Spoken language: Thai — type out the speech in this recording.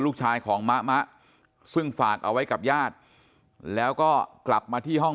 ลูกชายของมะมะซึ่งฝากเอาไว้กับญาติแล้วก็กลับมาที่ห้อง